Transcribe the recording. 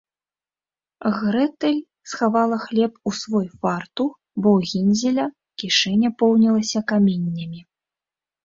Грэтэль схавала хлеб у свой фартух, бо ў Гензеля кішэня поўнілася каменнямі